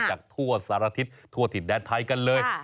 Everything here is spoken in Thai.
จากทั่วสารทิศทั่วถิ่นแดนไทยกันเลย